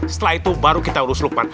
setelah itu baru kita urus rukman